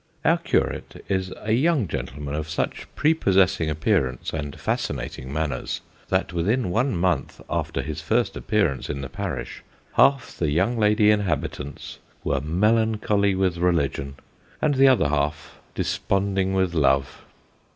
Our curate is a young gentleman of such prepossessing appearance, and fascinating manners, that within one month after his first appearance in the parish, half tho young lady inhabitants were melancholy with religion, and the other half, desponding with love.